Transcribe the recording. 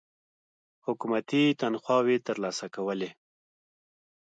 حکومتي تنخواوې تر لاسه کولې.